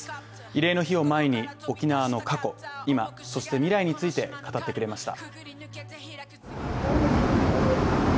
慰霊の日を前に沖縄の過去、今そして未来について語ってくれました。